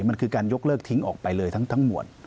มันคือการยกเลิกทิ้งออกไปเลยทั้งหมวด